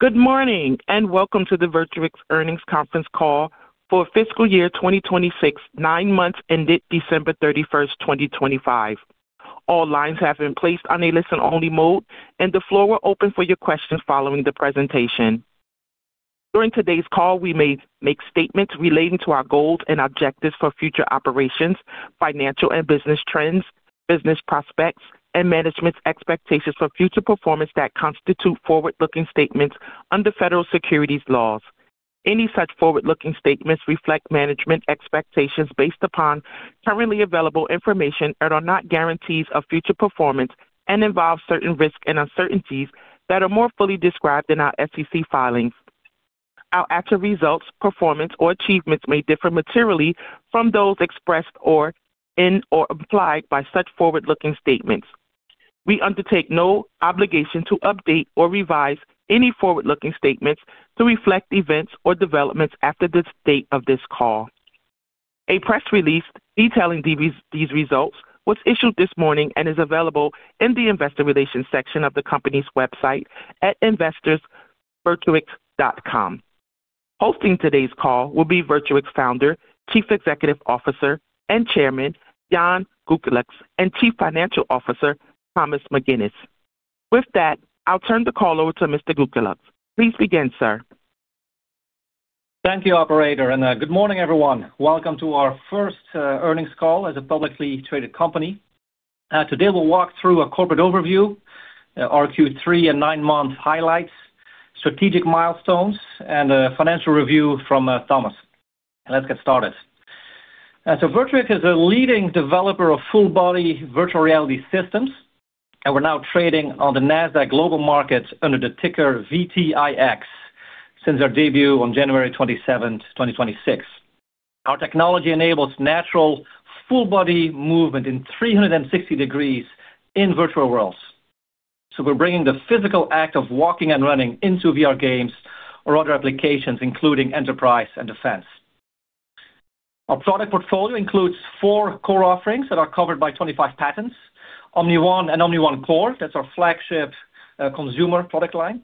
Good morning, welcome to the Virtuix Earnings Conference Call for fiscal year 2026, nine months ended December 31st, 2025. All lines have been placed on a listen-only mode, the floor will open for your questions following the presentation. During today's call, we may make statements relating to our goals and objectives for future operations, financial and business trends, business prospects, and management's expectations for future performance that constitute forward-looking statements under federal securities laws. Any such forward-looking statements reflect management expectations based upon currently available information and are not guarantees of future performance and involve certain risks and uncertainties that are more fully described in our SEC filings. Our actual results, performance, or achievements may differ materially from those expressed or implied by such forward-looking statements. We undertake no obligation to update or revise any forward-looking statements to reflect events or developments after the date of this call. A press release detailing these results was issued this morning and is available in the investor relations section of the company's website at investors.virtuix.com. Hosting today's call will be Virtuix Founder, Chief Executive Officer, and Chairman, Jan Goetgeluk, and Chief Financial Officer, Thomas McGinnis. I'll turn the call over to Mr. Goetgeluk. Please begin, sir. Thank you, operator. Good morning, everyone. Welcome to our first earnings call as a publicly traded company. Today we'll walk through a corporate overview, our Q3 and nine month highlights, strategic milestones, and a financial review from Thomas. Let's get started. Virtuix is a leading developer of full-body virtual reality systems, and we're now trading on the Nasdaq Global Market under the ticker VTIX since our debut on January 27th, 2026. Our technology enables natural full-body movement in 360 degrees in virtual worlds. We're bringing the physical act of walking and running into VR games or other applications, including enterprise and defense. Our product portfolio includes 4 core offerings that are covered by 25 patents. Omni One and Omni One Core, that's our flagship consumer product line.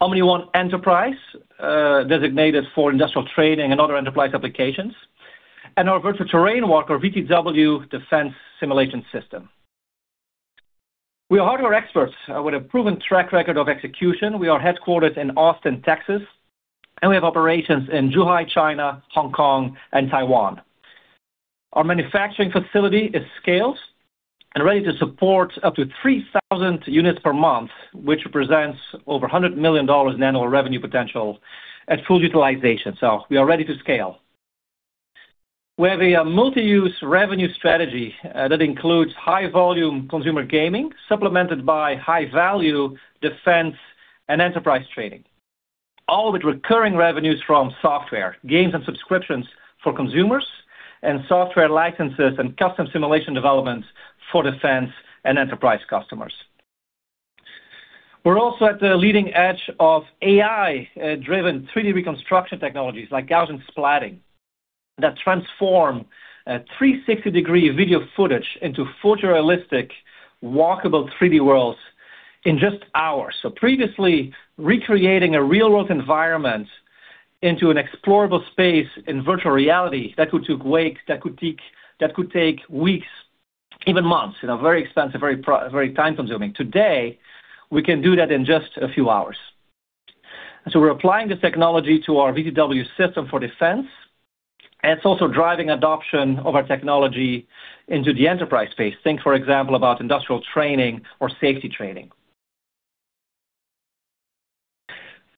Omni One Enterprise, designated for industrial training and other enterprise applications. Our Virtual Terrain Walk, VTW, defense simulation system. We are hardware experts with a proven track record of execution. We are headquartered in Austin, Texas, and we have operations in Zhuhai, China, Hong Kong, and Taiwan. Our manufacturing facility is scaled and ready to support up to 3,000 units per month, which represents over $100 million in annual revenue potential at full utilization. We are ready to scale. We have a multi-use revenue strategy that includes high-volume consumer gaming supplemented by high-value defense and enterprise training, all with recurring revenues from software, games and subscriptions for consumers and software licenses and custom simulation development for defense and enterprise customers. We're also at the leading edge of AI-driven 360 reconstruction technologies like Gaussian splatting that transform 360-degree video footage into photorealistic walkable 360 worlds in just hours. Previously, recreating a real-world environment into an explorable space in virtual reality, that could take weeks, even months, in a very expensive, very time-consuming. Today, we can do that in just a few hours. We're applying this technology to our VTW system for defense, and it's also driving adoption of our technology into the enterprise space. Think, for example, about industrial training or safety training.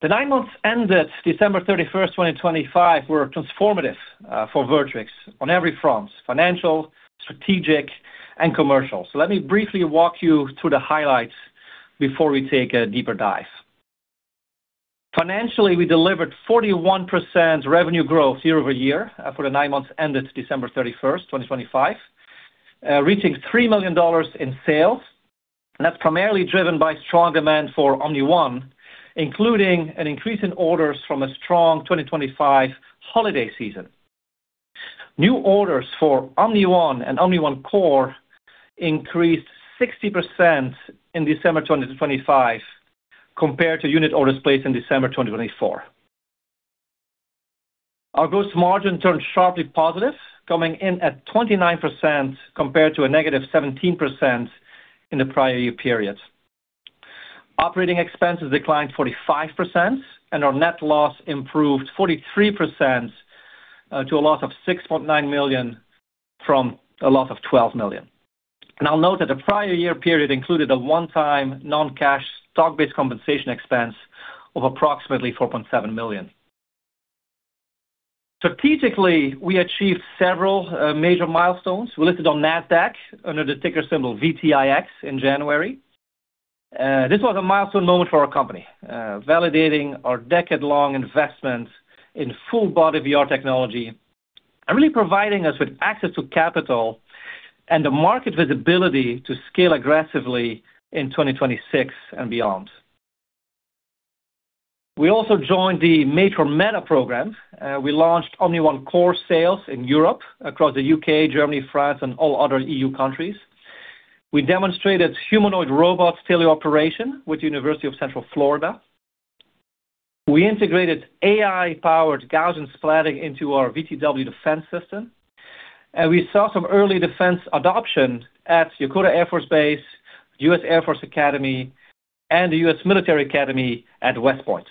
The nine months ended December 31st, 2025, were transformative for Virtuix on every front, financial, strategic, and commercial. Let me briefly walk you through the highlights before we take a deeper dive. Financially, we delivered 41% revenue growth year-over-year for the nine months ended December 31st, 2025, reaching $3 million in sales. That's primarily driven by strong demand for Omni One, including an increase in orders from a strong 2025 holiday season. New orders for Omni One and Omni One Core increased 60% in December 2025 compared to unit orders placed in December 2024. Our gross margin turned sharply positive, coming in at 29% compared to a -17% in the prior year period. Operating expenses declined 45%, and our net loss improved 43%, to a loss of $6.9 million from a loss of $12 million. I'll note that the prior year period included a one-time non-cash stock-based compensation expense of approximately $4.7 million. Strategically, we achieved several major milestones. We listed on Nasdaq under the ticker symbol VTIX in January. This was a milestone moment for our company, validating our decade-long investment in full-body VR technology and really providing us with access to capital and the market visibility to scale aggressively in 2026 and beyond. We also joined the Made for Meta program. We launched Omni One Core sales in Europe across the U.K., Germany, France, and all other E.U. countries. We demonstrated humanoid robot teleoperation with University of Central Florida. We integrated AI-powered Gaussian splatting into our VTW defense system. We saw some early defense adoption at Yokota Air Force Base, U.S. Air Force Academy, and the U.S. Military Academy at West Point.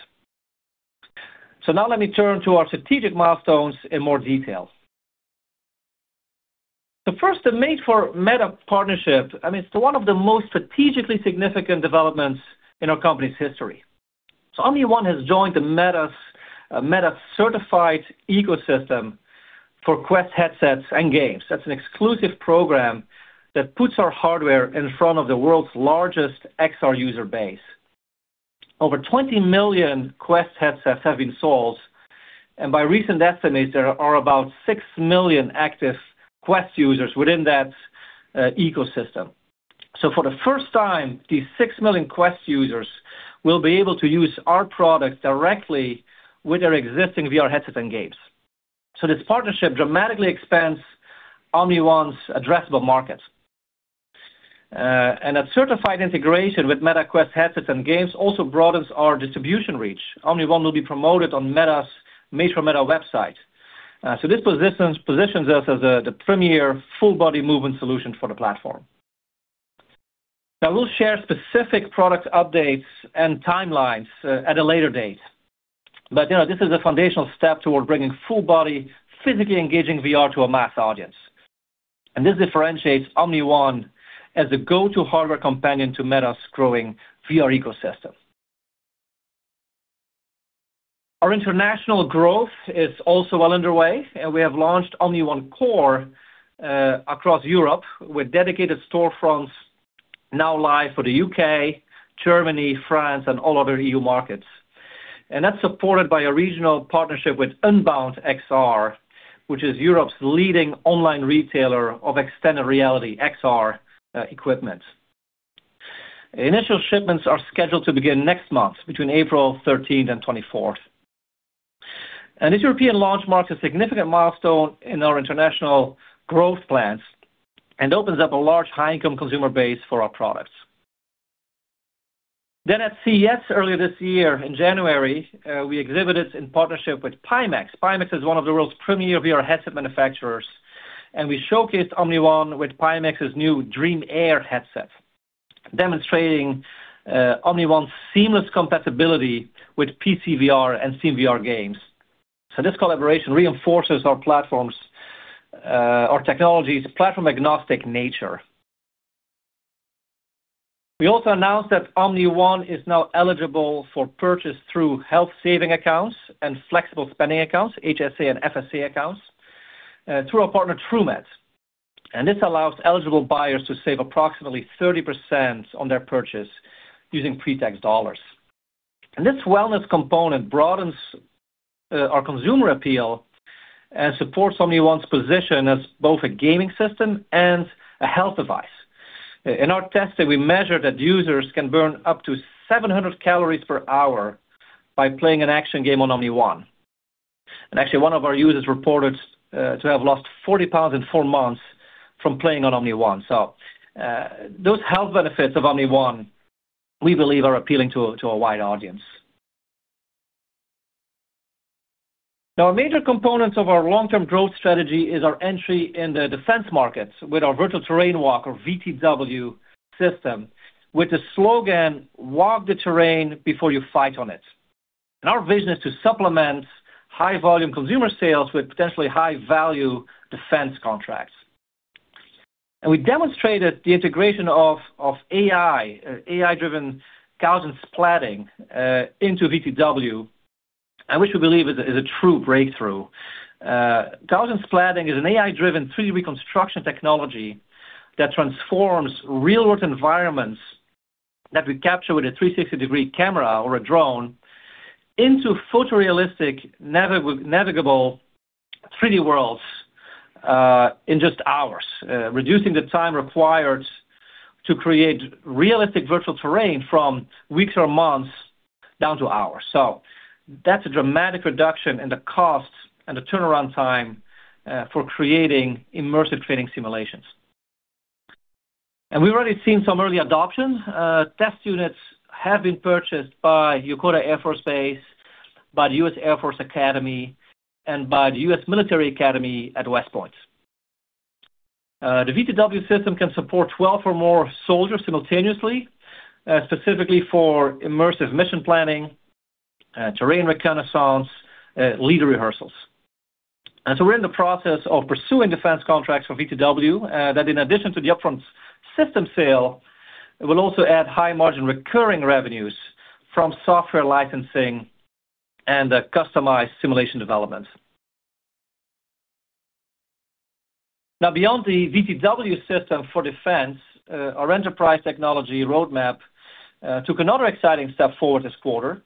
Now let me turn to our strategic milestones in more detail. First, the Made for Meta partnership, I mean, it's one of the most strategically significant developments in our company's history. Omni One has joined the Meta certified ecosystem for Quest headsets and games. That's an exclusive program that puts our hardware in front of the world's largest XR user base. Over 20 million Quest headsets have been sold, and by recent estimates, there are about six million active Quest users within that ecosystem. For the first time, these six million Quest users will be able to use our product directly with their existing VR headsets and games. A certified integration with Meta Quest headsets and games also broadens our distribution reach. Omni One will be promoted on Meta's Made for Meta website. This positions us as the premier full-body movement solution for the platform. Now we'll share specific product updates and timelines at a later date. You know, this is a foundational step toward bringing full-body, physically engaging VR to a mass audience. This differentiates Omni One as the go-to hardware companion to Meta's growing VR ecosystem. Our international growth is also well underway, and we have launched Omni One Core across Europe, with dedicated storefronts now live for the U.K., Germany, France, and all other E.U. markets. That's supported by a regional partnership with Unbound XR, which is Europe's leading online retailer of extended reality XR equipment. Initial shipments are scheduled to begin next month, between April 13th and 24th. This European launch marks a significant milestone in our international growth plans and opens up a large high-income consumer base for our products. At CES earlier this year in January, we exhibited in partnership with Pimax. Pimax is one of the world's premier VR headset manufacturers. We showcased Omni One with Pimax's new Dream Air headset, demonstrating Omni One's seamless compatibility with PCVR and CBR games. This collaboration reinforces our platform's, our technology's platform-agnostic nature. We also announced that Omni One is now eligible for purchase through health saving accounts and flexible spending accounts, HSA and FSA accounts, through our partner Truemed. This allows eligible buyers to save approximately 30% on their purchase using pre-tax dollars. This wellness component broadens our consumer appeal and supports Omni One's position as both a gaming system and a health device. In our testing, we measured that users can burn up to 700 calories per hour by playing an action game on Omni One. Actually, one of our users reported to have lost 40 pounds in four months from playing on Omni One. Those health benefits of Omni One, we believe are appealing to a wide audience. Now a major component of our long-term growth strategy is our entry in the defense market with our Virtual Terrain Walker, VTW system with the slogan, "Walk the terrain before you fight on it." Our vision is to supplement high-volume consumer sales with potentially high-value defense contracts. We demonstrated the integration of AI-driven Gaussian splatting into VTW, which we believe is a true breakthrough. Gaussian splatting is an AI-driven 3D reconstruction technology that transforms real-world environments that we capture with a 360-degree camera or a drone into photorealistic navigable 3D worlds in just hours, reducing the time required to create realistic virtual terrain from weeks or months down to hours. That's a dramatic reduction in the cost and the turnaround time for creating immersive training simulations. We've already seen some early adoption. Test units have been purchased by Yokota Air Force Base, by the U.S. Air Force Academy, and by the U.S. Military Academy at West Point. The VTW system can support 12 or more soldiers simultaneously, specifically for immersive mission planning, terrain reconnaissance, leader rehearsals. We're in the process of pursuing defense contracts for VTW that in addition to the upfront system sale, will also add high-margin recurring revenues from software licensing and customized simulation development. Beyond the VTW system for defense, our enterprise technology roadmap took another exciting step forward this quarter.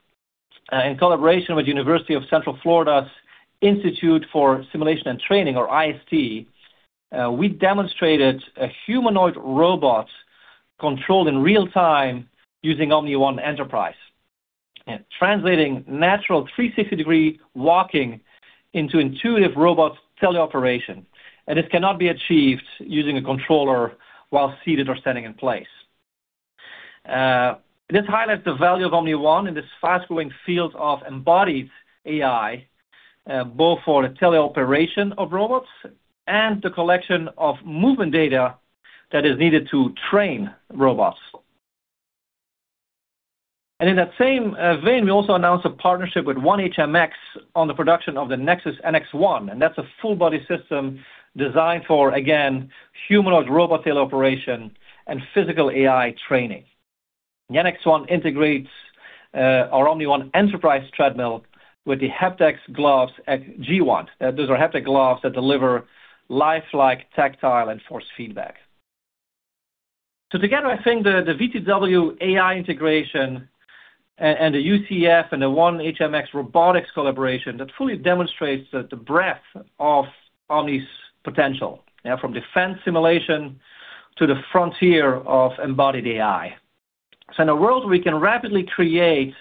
In collaboration with University of Central Florida's Institute for Simulation and Training, or IST, we demonstrated a humanoid robot controlled in real time using Omni One Enterprise. Translating natural 360-degree walking into intuitive robot teleoperation. This cannot be achieved using a controller while seated or standing in place. This highlights the value of Omni One in this fast-growing field of embodied AI, both for the teleoperation of robots and the collection of movement data that is needed to train robots. In that same vein, we also announced a partnership with 1HMX on the production of the Nexus NX1, and that's a full-body system designed for, again, humanoid robot teleoperation and physical AI training. The NX1 integrates our Omni One Enterprise treadmill with the HaptX Gloves G1. Those are haptic gloves that deliver lifelike tactile and force feedback. Together, I think the VTW AI integration and the UCF and the 1HMX robotics collaboration, that fully demonstrates the breadth of Omni's potential. From defense simulation to the frontier of embodied AI. In a world, we can rapidly create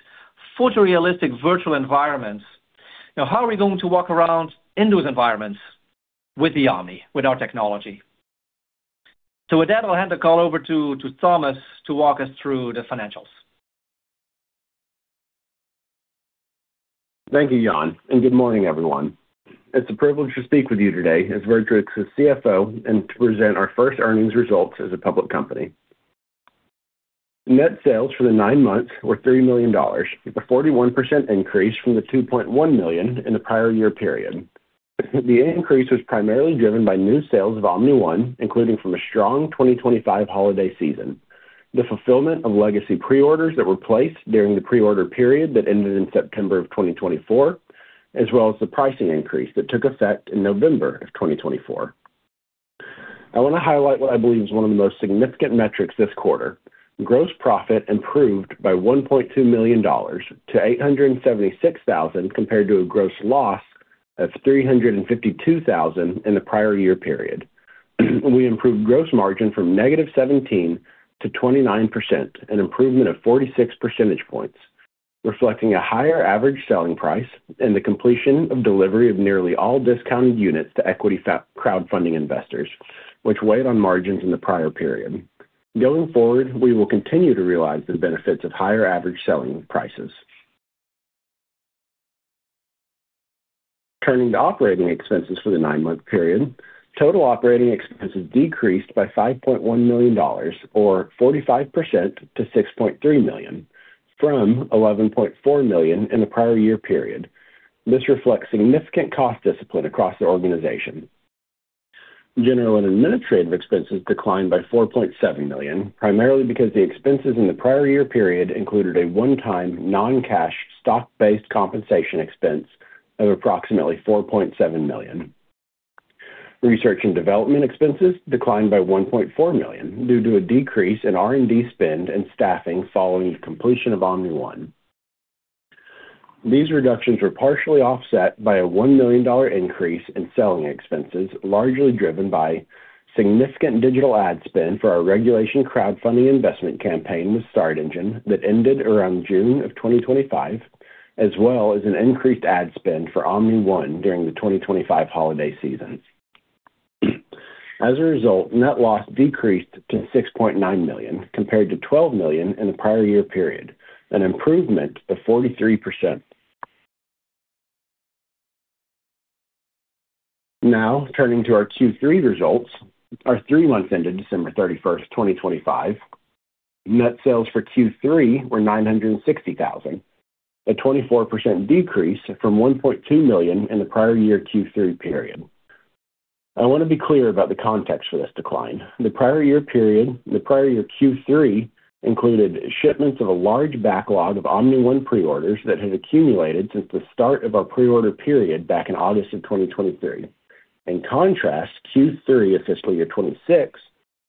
photorealistic virtual environments. How are we going to walk around in those environments with the Omni, with our technology? With that, I'll hand the call over to Thomas to walk us through the financials. Thank you, Jan. Good morning, everyone. It's a privilege to speak with you today as Virtuix CFO and to present our first earnings results as a public company. Net sales for the nine months were $30 million, a 41% increase from the $2.1 million in the prior year period. The increase was primarily driven by new sales of Omni One, including from a strong 2025 holiday season, the fulfillment of legacy pre-orders that were placed during the pre-order period that ended in September of 2024, as well as the pricing increase that took effect in November of 2024. I wanna highlight what I believe is one of the most significant metrics this quarter. Gross profit improved by $1.2 million to $876,000 compared to a gross loss of $352,000 in the prior year period. We improved gross margin from -17% to 29%, an improvement of 46 percentage points, reflecting a higher average selling price and the completion of delivery of nearly all discounted units to equity crowdfunding investors, which weighed on margins in the prior period. Going forward, we will continue to realize the benefits of higher average selling prices. Turning to operating expenses for the nine month period. Total operating expenses decreased by $5.1 million or 45% to $6.3 million from $11.4 million in the prior year period. This reflects significant cost discipline across the organization. General and administrative expenses declined by $4.7 million, primarily because the expenses in the prior year period included a one-time non-cash stock-based compensation expense of approximately $4.7 million. Research and development expenses declined by $1.4 million due to a decrease in R&D spend and staffing following the completion of Omni One. These reductions were partially offset by a one million dollar increase in selling expenses, largely driven by significant digital ad spend for our Regulation Crowdfunding investment campaign with StartEngine that ended around June of 2025, as well as an increased ad spend for Omni One during the 2025 holiday season. Net loss decreased to $6.9 million compared to $12 million in the prior year period, an improvement of 43%. Turning to our Q3 results, our three months ended December 31st, 2025. Net sales for Q3 were $960,000, a 24% decrease from $1.2 million in the prior-year Q3 period. I wanna be clear about the context for this decline. The prior-year period, the prior-year Q3 included shipments of a large backlog of Omni One pre-orders that had accumulated since the start of our pre-order period back in August of 2023. In contrast, Q3 of fiscal year 2026,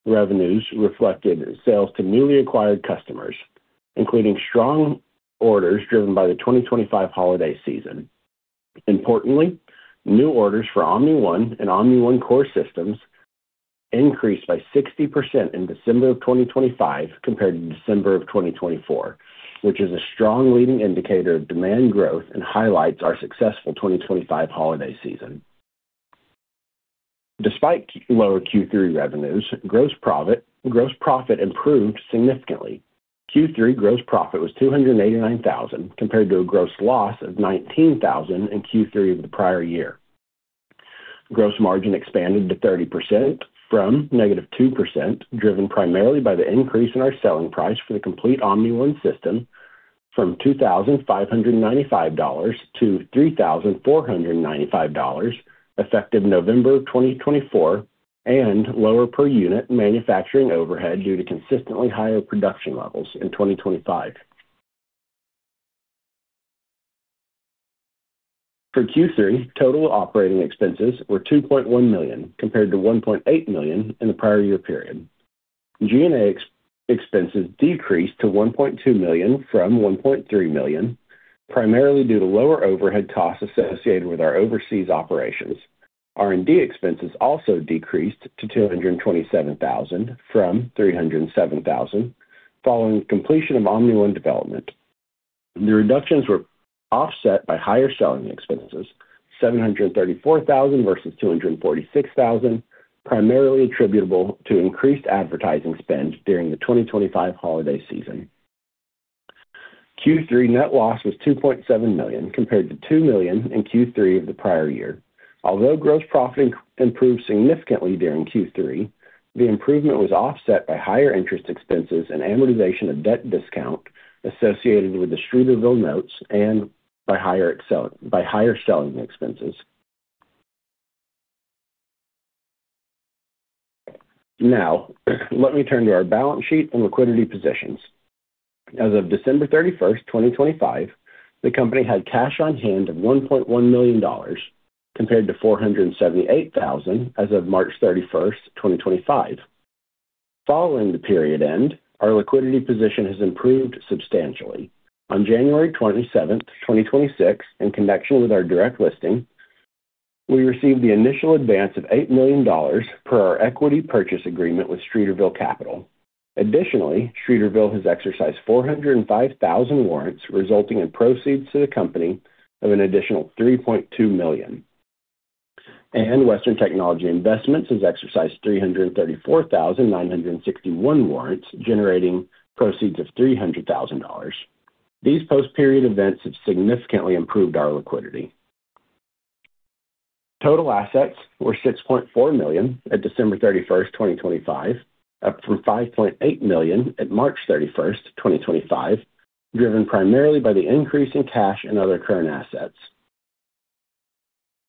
revenues reflected sales to newly acquired customers, including strong orders driven by the 2025 holiday season. Importantly, new orders for Omni One and Omni One Core systems increased by 60% in December of 2025 compared to December of 2024, which is a strong leading indicator of demand growth and highlights our successful 2025 holiday season. Despite lower Q3 revenues, gross profit improved significantly. Q3 gross profit was $289,000 compared to a gross loss of $19,000 in Q3 of the prior year. Gross margin expanded to 30% from -2%, driven primarily by the increase in our selling price for the complete Omni One system from $2,595 to $3,495 effective November 2024, and lower per unit manufacturing overhead due to consistently higher production levels in 2025. For Q3, total operating expenses were $2.1 million compared to $1.8 million in the prior year period. G&A expenses decreased to $1.2 million from $1.3 million. Primarily due to lower overhead costs associated with our overseas operations. R&D expenses also decreased to $227,000 from $307,000 following completion of Omni One development. The reductions were offset by higher selling expenses, $734,000 versus $246,000, primarily attributable to increased advertising spend during the 2025 holiday season. Q3 net loss was $2.7 million compared to $2 million in Q3 of the prior year. Gross profit improved significantly during Q3, the improvement was offset by higher interest expenses and amortization of debt discount associated with the Streeterville notes and by higher selling expenses. Let me turn to our balance sheet and liquidity positions. As of December 31st, 2025, the company had cash on hand of $1.1 million compared to $478,000 as of March 31st, 2025. Following the period end, our liquidity position has improved substantially. On January 27th, 2026, in connection with our direct listing, we received the initial advance of $8 million per our equity purchase agreement with Streeterville Capital. Additionally, Streeterville has exercised 405,000 warrants, resulting in proceeds to the company of an additional $3.2 million. Western Technology Investment has exercised 334,961 warrants, generating proceeds of $300,000. These post-period events have significantly improved our liquidity. Total assets were $6.4 million at December 31st, 2025, up from $5.8 million at March 31st, 2025, driven primarily by the increase in cash and other current assets.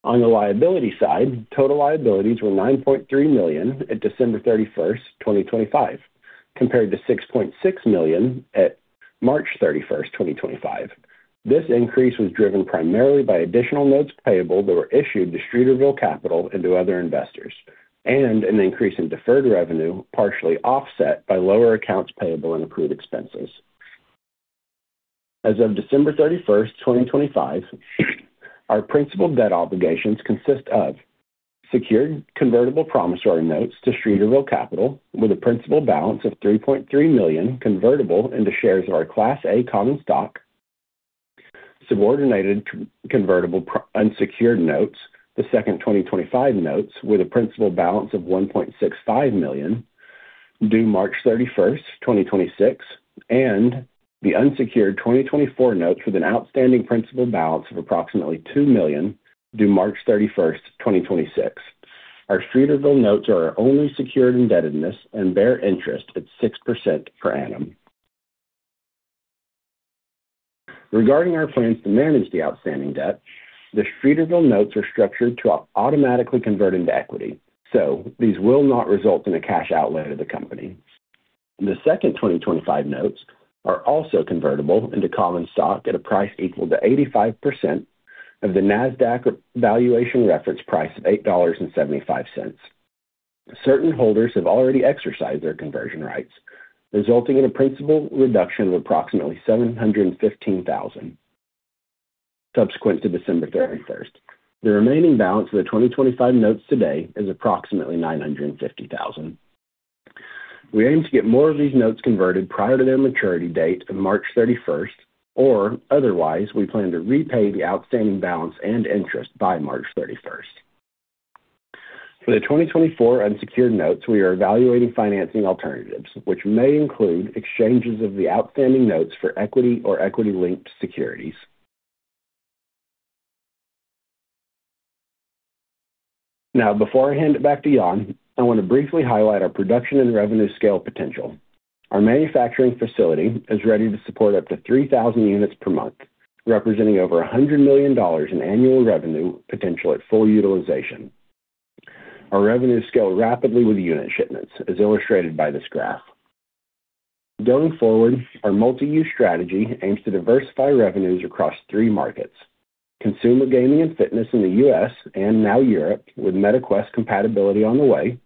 On the liability side, total liabilities were $9.3 million at December 31st, 2025, compared to $6.6 million at March 31st, 2025. This increase was driven primarily by additional notes payable that were issued to Streeterville Capital and to other investors, and an increase in deferred revenue, partially offset by lower accounts payable and accrued expenses. As of December 31st, 2025, our principal debt obligations consist of secured convertible promissory notes to Streeterville Capital with a principal balance of $3.3 million convertible into shares of our Class A common stock, subordinated convertible unsecured notes, the second 2025 notes with a principal balance of $1.65 million due March 31st, 2026, and the unsecured 2024 notes with an outstanding principal balance of approximately $2 million due March 31st, 2026. Our Streeterville notes are our only secured indebtedness and bear interest at 6% per annum. Regarding our plans to manage the outstanding debt, the Streeterville notes are structured to automatically convert into equity, these will not result in a cash outlet of the company. The second 2025 notes are also convertible into common stock at a price equal to 85% of the Nasdaq valuation reference price of $8.75. Certain holders have already exercised their conversion rights, resulting in a principal reduction of approximately $715,000 subsequent to December 31st. The remaining balance of the 2025 notes today is approximately $950,000. We aim to get more of these notes converted prior to their maturity date of March 31st, otherwise, we plan to repay the outstanding balance and interest by March 31st. For the 2024 unsecured notes, we are evaluating financing alternatives, which may include exchanges of the outstanding notes for equity or equity-linked securities. Before I hand it back to Jan, I want to briefly highlight our production and revenue scale potential. Our manufacturing facility is ready to support up to 3,000 units per month, representing over $100 million in annual revenue potential at full utilization. Our revenues scale rapidly with unit shipments, as illustrated by this graph. Going forward, our multi-use strategy aims to diversify revenues across three markets: consumer gaming and fitness in the U.S. and now Europe, with Meta Quest compatibility on the way,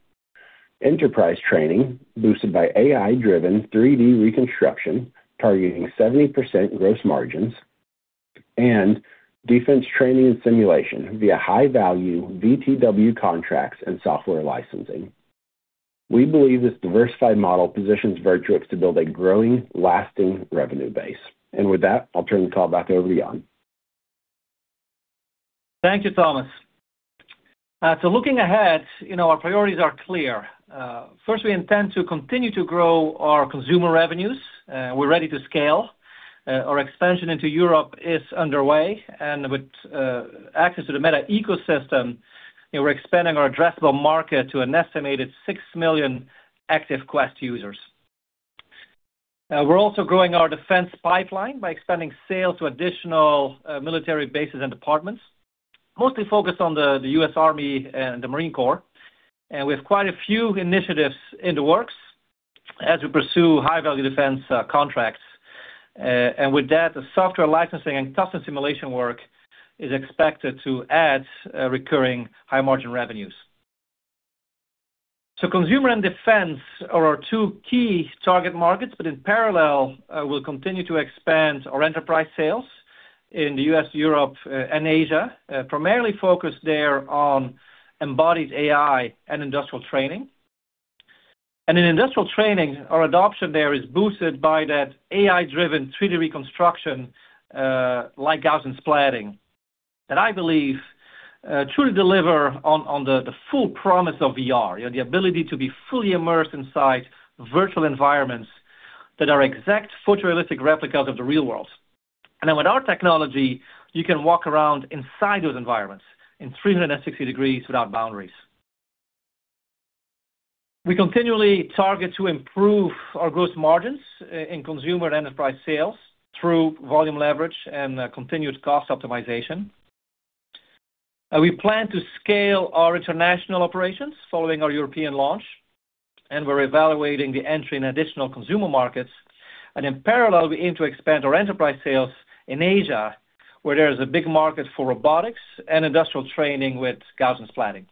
enterprise training boosted by AI-driven 3D reconstruction, targeting 70% gross margins and defense training and simulation via high-value VTW contracts and software licensing. We believe this diversified model positions Virtuix to build a growing, lasting revenue base. With that, I'll turn the call back over to Jan. Thank you, Thomas. Looking ahead, you know, our priorities are clear. First, we intend to continue to grow our consumer revenues. We're ready to scale. Our expansion into Europe is underway, with access to the Meta ecosystem, you know, we're expanding our addressable market to an estimated six million active Quest users. We're also growing our defense pipeline by expanding sales to additional military bases and departments, mostly focused on the U.S. Army and the Marine Corps. We have quite a few initiatives in the works as we pursue high-value defense contracts. With that, the software licensing and custom simulation work is expected to add recurring high-margin revenues. Consumer and defense are our two key target markets, but in parallel, we'll continue to expand our enterprise sales in the U.S., Europe, and Asia, primarily focused there on embodied AI and industrial training. In industrial training, our adoption there is boosted by that AI-driven 3D reconstruction, like Gaussian splatting, that I believe truly deliver on the full promise of VR. You know, the ability to be fully immersed inside virtual environments that are exact photorealistic replicas of the real world. With our technology, you can walk around inside those environments in 360 degrees without boundaries. We continually target to improve our gross margins in consumer and enterprise sales through volume leverage and continued cost optimization. We plan to scale our international operations following our European launch, and we're evaluating the entry in additional consumer markets. In parallel, we aim to expand our enterprise sales in Asia, where there is a big market for robotics and industrial training with 3D Gaussian splatting.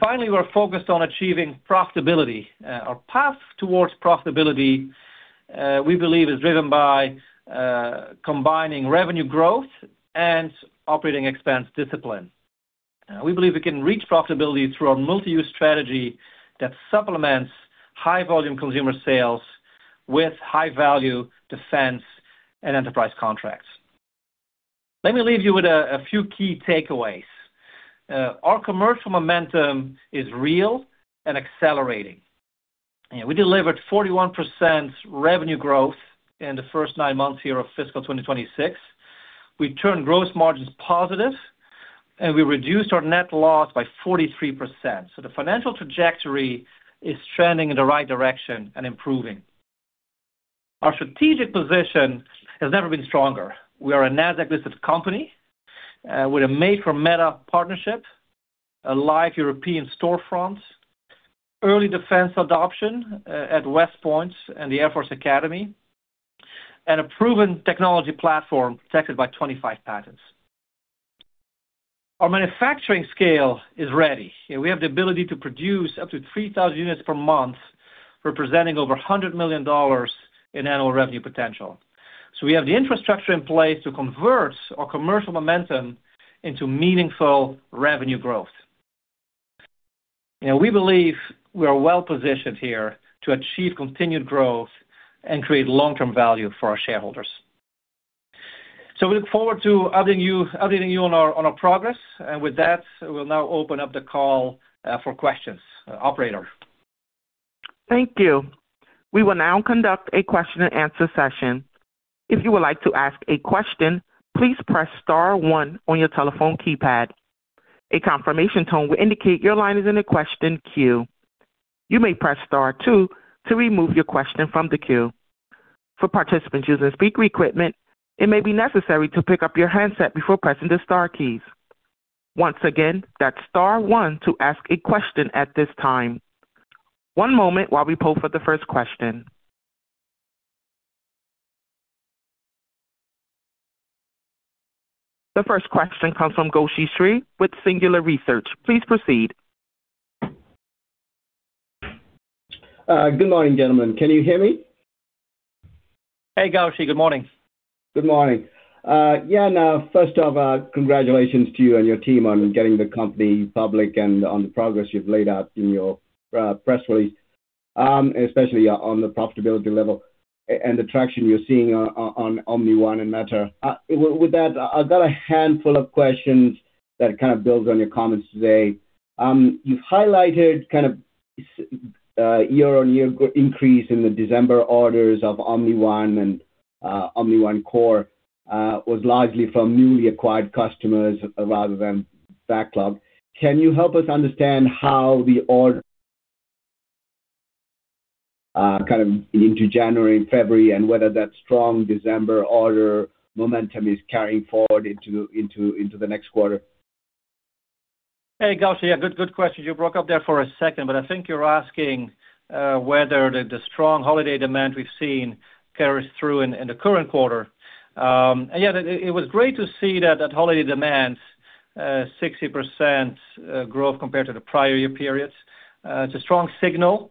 Finally, we're focused on achieving profitability. Our path towards profitability, we believe is driven by combining revenue growth and operating expense discipline. We believe we can reach profitability through our multi-use strategy that supplements high volume consumer sales with high value defense and enterprise contracts. Let me leave you with a few key takeaways. Our commercial momentum is real and accelerating. You know, we delivered 41% revenue growth in the first nine months here of fiscal 2026. We turned gross margins positive, and we reduced our net loss by 43%. The financial trajectory is trending in the right direction and improving. Our strategic position has never been stronger. We are a Nasdaq-listed company, with a Made for Meta partnership, a live European storefront, early defense adoption, at West Point and the Air Force Academy, and a proven technology platform protected by 25 patents. Our manufacturing scale is ready. You know, we have the ability to produce up to 3,000 units per month, representing over $100 million in annual revenue potential. We have the infrastructure in place to convert our commercial momentum into meaningful revenue growth. You know, we believe we are well-positioned here to achieve continued growth and create long-term value for our shareholders. We look forward to updating you on our progress. With that, we'll now open up the call for questions. Operator. Thank you. We will now conduct a question and answer session. If you would like to ask a question, please press star one on your telephone keypad. A confirmation tone will indicate your line is in the question queue. You may press star two to remove your question from the queue. For participants using speaker equipment, it may be necessary to pick up your handset before pressing the star keys. Once again, that's star one to ask a question at this time. One moment while we poll for the first question. The first question comes from Gowshi Sri with Singular Research. Please proceed. Good morning, gentlemen. Can you hear me? Hey, Gautam. Good morning. Good morning. Now, first off, congratulations to you and your team on getting the company public and on the progress you've laid out in your press release, especially on the profitability level and the traction you're seeing on Omni One and Meta. With that, I've got a handful of questions that kind of builds on your comments today. You've highlighted kind of year-on-year increase in the December orders of Omni One and Omni One Core was largely from newly acquired customers rather than backlog. Can you help us understand how the kind of into January and February and whether that strong December order momentum is carrying forward into the next quarter? Hey, Gautam. Yeah, good question. You broke up there for a second, but I think you're asking whether the strong holiday demand we've seen carries through in the current quarter. Yeah, it was great to see that holiday demand, 60% growth compared to the prior year periods. It's a strong signal. You know,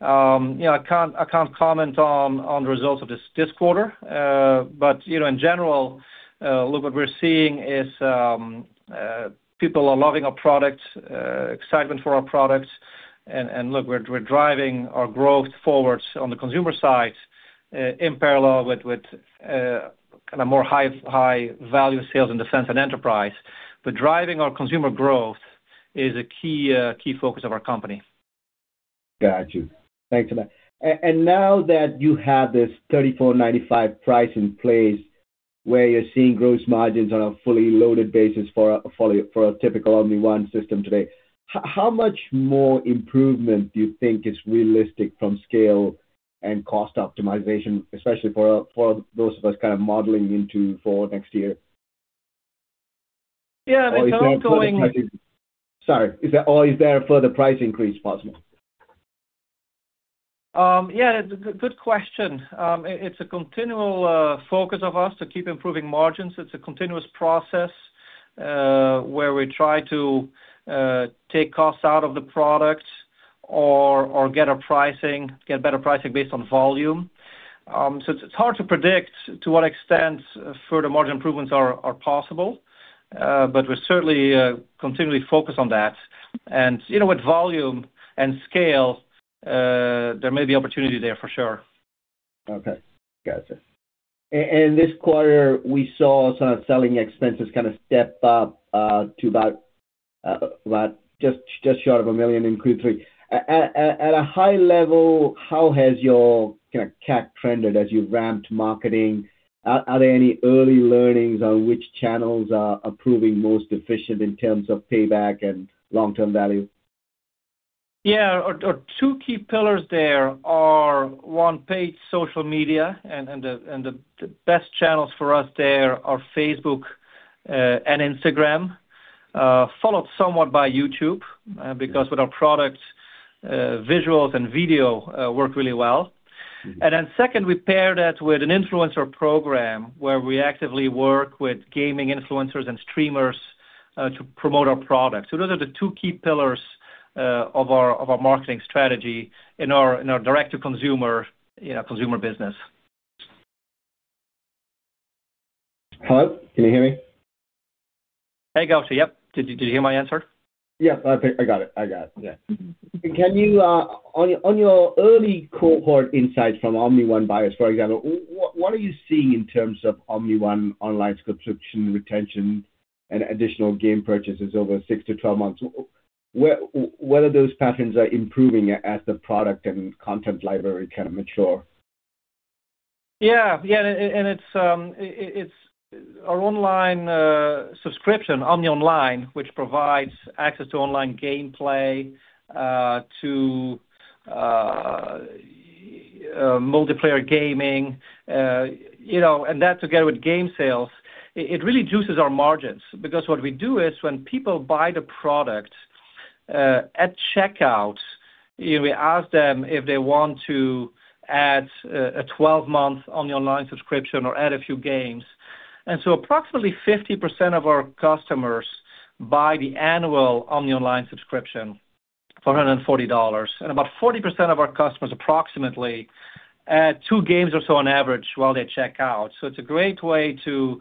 I can't comment on the results of this quarter. You know, in general, look, what we're seeing is people are loving our products, excitement for our products. Look, we're driving our growth forwards on the consumer side in parallel with kind of more high value sales in defense and enterprise. Driving our consumer growth is a key focus of our company. Got you. Thanks for that. Now that you have this $3,495 price in place, where you're seeing gross margins on a fully loaded basis for a typical Omni One system today, how much more improvement do you think is realistic from scale and cost optimization, especially for those of us kind of modeling into forward next year? Yeah, Sorry. Or is there a further price increase possible? Yeah, it's a good question. It's a continual focus of ours to keep improving margins. It's a continuous process where we try to take costs out of the product or get better pricing based on volume. It's hard to predict to what extent further margin improvements are possible, but we're certainly continually focused on that. You know with volume and scale, there may be opportunity there for sure. Okay. Gotcha. This quarter we saw some selling expenses kind of step up to about just short of $1 million in Q3. At a high level, how has your kind of CAC trended as you've ramped marketing? Are there any early learnings on which channels are proving most efficient in terms of payback and long-term value? Yeah. Our two key pillars there are, one, paid social media and the best channels for us there are Facebook, and Instagram, followed somewhat by YouTube. Okay Because with our product, visuals and video, work really well. Mm-hmm. Second, we pair that with an influencer program where we actively work with gaming influencers and streamers to promote our product. Those are the two key pillars of our marketing strategy in our direct to consumer, you know, consumer business. Hello, can you hear me? Hey, Gautam. Yep. Did you hear my answer? Yeah, I think I got it. Yeah. Mm-hmm. Can you, on your early cohort insights from Omni One buyers, for example, what are you seeing in terms of Omni Online subscription retention and additional game purchases over six to twelve months, whether those patterns are improving as the product and content library kind of mature? Yeah. It's Our online subscription, Omni Online, which provides access to online gameplay, to multiplayer gaming, you know, and that together with game sales, it really juices our margins. What we do is when people buy the product at checkout, you know, we ask them if they want to add a 12-month Omni Online subscription or add a few games. Approximately 50% of our customers buy the annual Omni Online subscription for $140. About 40% of our customers, approximately, add two games or so on average while they check out. It's a great way to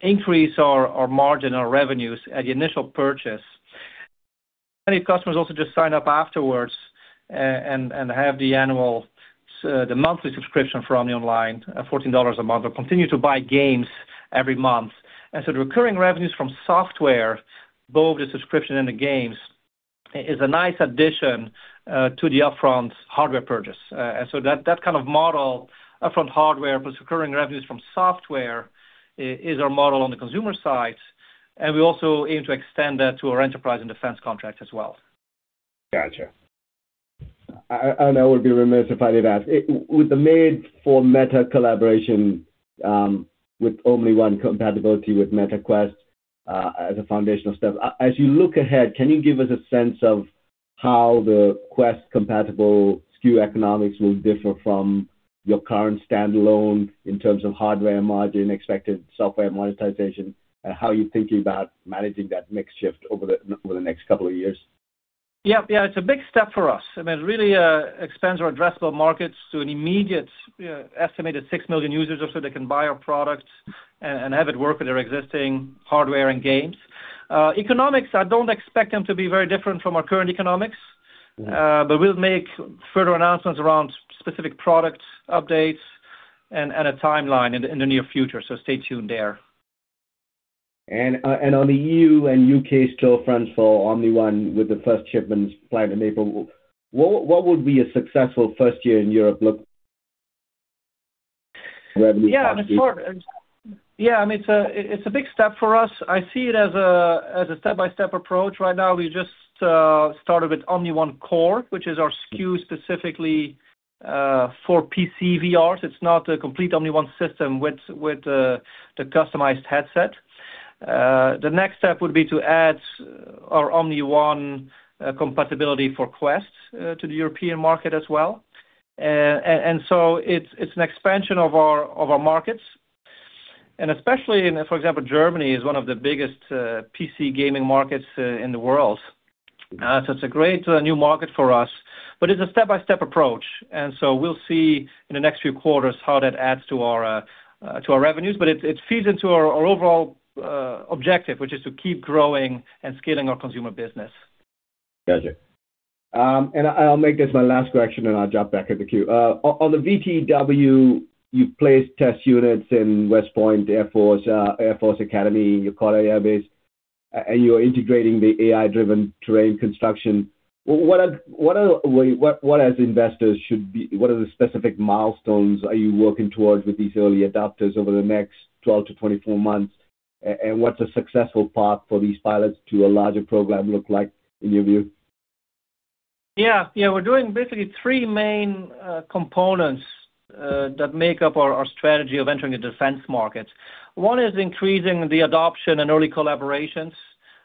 increase our margin, our revenues at the initial purchase. Many customers also just sign up afterwards and have the annual monthly subscription for Omni Online at $14 a month or continue to buy games every month. The recurring revenues from software, both the subscription and the games, is a nice addition to the upfront hardware purchase. That kind of model, upfront hardware plus recurring revenues from software, is our model on the consumer side, and we also aim to extend that to our enterprise and defense contracts as well. Gotcha. I know we're being remiss if I didn't ask. With the Made for Meta collaboration, with Omni One compatibility with Meta Quest, as a foundational step, as you look ahead, can you give us a sense of how the Quest compatible SKU economics will differ from your current standalone in terms of hardware margin, expected software monetization, and how you're thinking about managing that mix shift over the next couple of years? Yeah. Yeah, it's a big step for us. I mean, it really expands our addressable markets to an immediate, estimated six million users or so that can buy our product and have it work with their existing hardware and games. Economics, I don't expect them to be very different from our current economics. Mm-hmm. We'll make further announcements around specific product updates and a timeline in the near future, so stay tuned there. On the E.U. and U.K. Storefront for Omni One with the first shipments planned in April, what would be a successful first year in Europe look revenue perspective? It's hard. I mean, it's a big step for us. I see it as a step-by-step approach. Right now we just started with Omni One Core, which is our SKU specifically for PC VRs. It's not a complete Omni One system with the customized headset. The next step would be to add our Omni One compatibility for Quest to the European market as well. It's an expansion of our markets. Especially in, for example, Germany is one of the biggest PC gaming markets in the world. Mm-hmm. It's a great new market for us. It's a step-by-step approach, and so we'll see in the next few quarters how that adds to our revenues. It feeds into our overall objective, which is to keep growing and scaling our consumer business. Gotcha. I'll make this my last question, and I'll jump back in the queue. On the VTW, you placed test units in West Point, Air Force, Air Force Academy, Yokota Air Base, and you're integrating the AI-driven terrain construction. What are the specific milestones are you working towards with these early adapters over the next 12-24 months? What's a successful path for these pilots to a larger program look like in your view? Yeah. Yeah, we're doing basically three main components that make up our strategy of entering a defense market. One is increasing the adoption and early collaborations,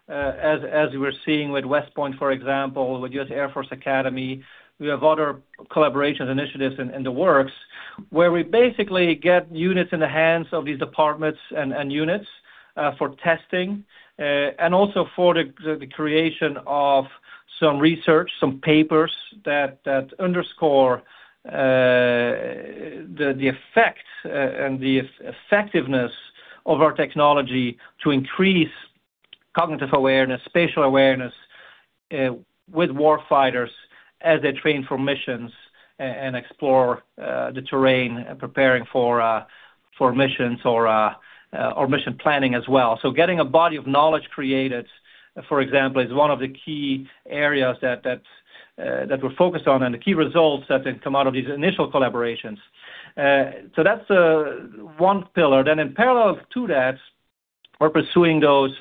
as we're seeing with West Point, for example, with U.S. Air Force Academy. We have other collaboration initiatives in the works where we basically get units in the hands of these departments and units for testing, and also for the creation of some research, some papers that underscore the effect and the effectiveness of our technology to increase cognitive awareness, spatial awareness, with war fighters as they train for missions and explore the terrain, preparing for missions or mission planning as well. Getting a body of knowledge created, for example, is one of the key areas that we're focused on and the key results that can come out of these initial collaborations. That's one pillar. In parallel to that, we're pursuing those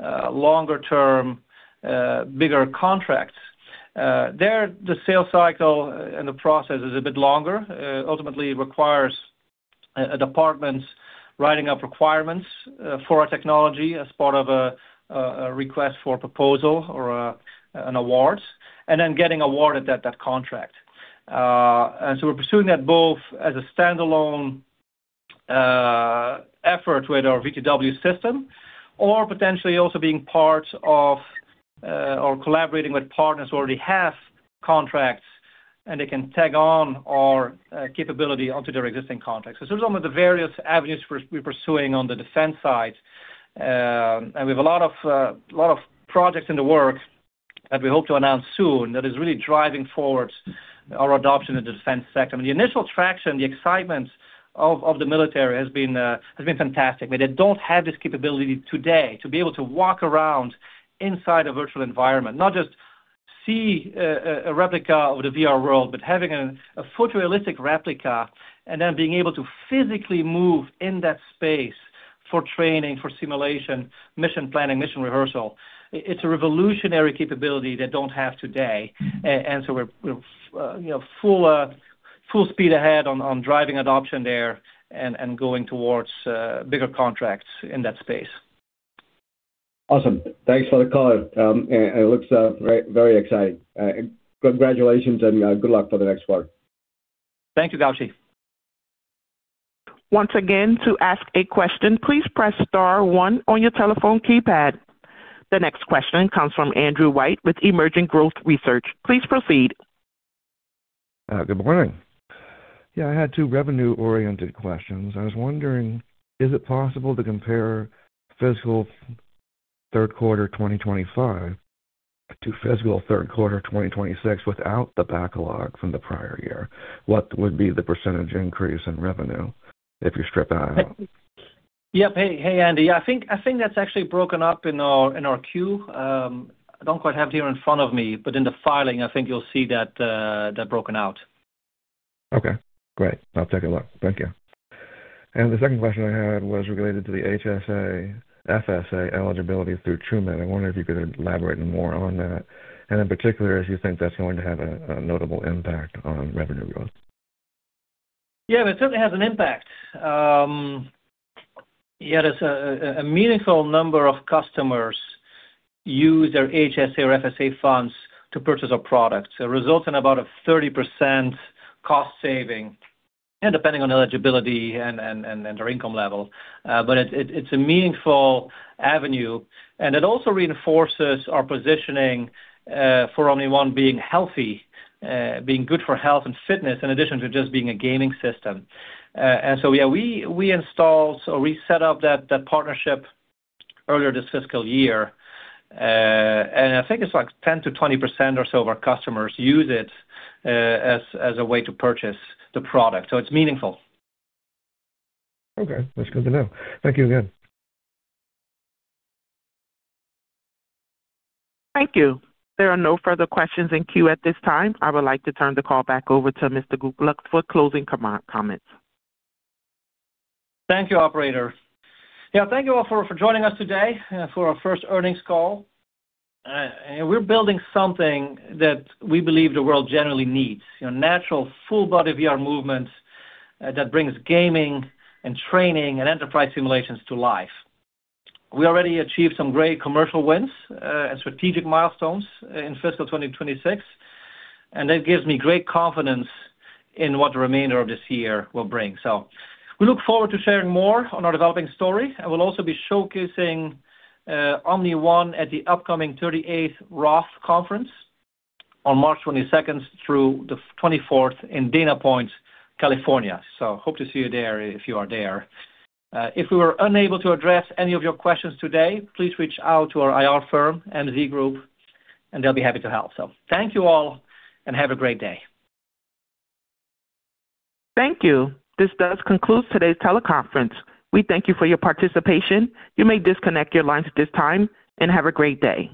longer-term, bigger contracts. There, the sales cycle and the process is a bit longer. Ultimately, it requires a department writing up requirements for our technology as part of a request for proposal or an award, and then getting awarded that contract. We're pursuing that both as a standalone effort with our VTW system or potentially also being part of or collaborating with partners who already have contracts, and they can tag on our capability onto their existing contracts. Those are some of the various avenues we're pursuing on the defense side. And we have a lot of projects in the works that we hope to announce soon that is really driving forward our adoption in the defense sector. I mean, the initial traction, the excitement of the military has been fantastic. They don't have this capability today to be able to walk around inside a virtual environment, not just see a replica of the VR world, but having a photo-realistic replica and then being able to physically move in that space for training, for simulation, mission planning, mission rehearsal. It's a revolutionary capability they don't have today. We're, you know, full speed ahead on driving adoption there and going towards bigger contracts in that space. Awesome. Thanks for the color. It looks very exciting. Congratulations and good luck for the next quarter. Thank you, Gowshi Sri. Once again, to ask a question, please press star one on your telephone keypad. The next question comes from Andrew White with Emerging Growth Research. Please proceed. Good morning. Yeah, I had two revenue-oriented questions. I was wondering, is it possible to compare fiscal third quarter 2025 to fiscal third quarter 2026 without the backlog from the prior year? What would be the % increase in revenue if you strip that out? Yep. Hey, hey, Andy. I think that's actually broken up in our queue. I don't quite have it here in front of me, but in the filing, I think you'll see that broken out. Okay, great. I'll take a look. Thank you. The second question I had was related to the HSA FSA eligibility through Truemed. I wonder if you could elaborate more on that, and in particular, if you think that's going to have a notable impact on revenue growth. Yeah, it certainly has an impact. Yeah, there's a meaningful number of customers use their HSA or FSA funds to purchase our product. It results in about a 30% cost saving, you know, depending on eligibility and their income level. It's a meaningful avenue, and it also reinforces our positioning for Omni One being healthy, being good for health and fitness, in addition to just being a gaming system. Yeah, we set up that partnership earlier this fiscal year. I think it's like 10%-20% or so of our customers use it as a way to purchase the product. It's meaningful. Okay. That's good to know. Thank you again. Thank you. There are no further questions in queue at this time. I would like to turn the call back over to Mr. Goetgeluk for closing comments. Thank you, operator. Yeah, thank you all for joining us today, for our first earnings call. You know, we're building something that we believe the world generally needs. You know, natural, full-body VR movement, that brings gaming and training and enterprise simulations to life. We already achieved some great commercial wins and strategic milestones in fiscal 2026, and that gives me great confidence in what the remainder of this year will bring. We look forward to sharing more on our developing story. We'll also be showcasing Omni One at the upcoming 38th ROTH Conference on March 22nd through the 24th in Dana Point, California. Hope to see you there if you are there. If we were unable to address any of your questions today, please reach out to our IR firm, MZ Group, and they'll be happy to help. Thank you all, and have a great day. Thank you. This does conclude today's teleconference. We thank you for your participation. You may disconnect your lines at this time, and have a great day.